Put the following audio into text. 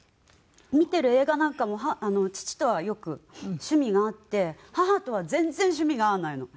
見てる映画なんかも父とはよく趣味が合って母とは全然趣味が合わないの。